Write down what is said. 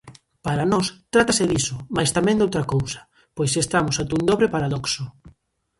Para nós, trátase diso mais tamén doutra cousa, pois estamos ante un dobre paradoxo.